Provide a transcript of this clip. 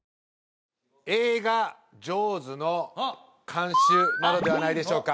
映画「ジョーズ」の監修なのではないでしょうか？